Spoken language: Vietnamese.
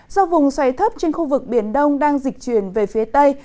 do vùng xoay thấp trên khu vực biển đông đang dịch chuyển về phía tây